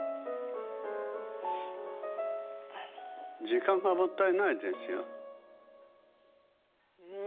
時間が、もったいないですよ。